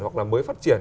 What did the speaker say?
hoặc là mới phát triển